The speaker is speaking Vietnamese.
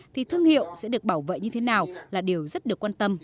thì thương hiệu sẽ được bảo vệ như thế nào là điều rất được quan tâm